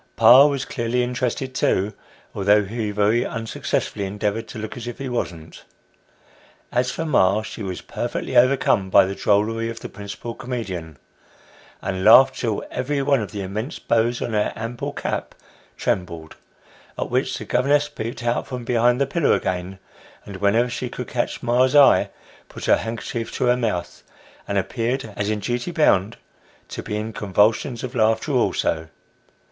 Pa was clearly interested too, although he very unsuccessfully endeavoured to look as if he wasn't. As for ma, she was perfectly overcome by the drollery of the principal comedian, and laughed till every one of the immense bows on her ample cap trembled, at which the governess peeped out from behind the pillar again, and whenever she could catch ma's eye, put her handkerchief to her mouth, and appeared, as in duty bound, to be in convulsions of laughter also.